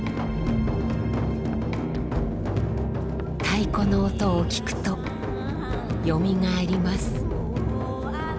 太鼓の音を聞くとよみがえります。